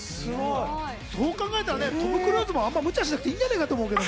そう考えたら、トム・クルーズもあんま無茶しなくていいじゃないかと思うけど。